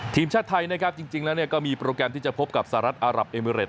ทีมชาติไทยนะครับจริงแล้วก็มีโปรแกรมที่จะพบกับสหรัฐอารับเอมิเรต